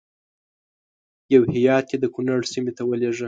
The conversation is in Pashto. یو هیات یې د کنړ سیمې ته ولېږه.